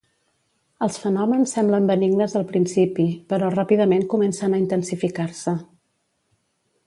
Els fenòmens semblen benignes al principi, però ràpidament comencen a intensificar-se.